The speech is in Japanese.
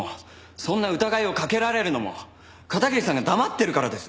そんな疑いをかけられるのも片桐さんが黙ってるからです。